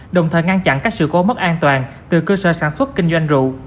đồng thời ngăn chặn các sự cố mất an toàn từ cơ sở sản xuất kinh doanh rượu